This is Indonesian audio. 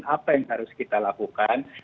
apa yang harus kita lakukan